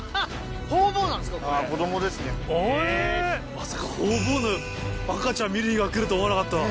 まさかホウボウの赤ちゃん見る日が来るとは思わなかった。